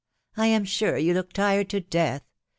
" I am sure you look tired to death.